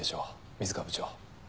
水川部長。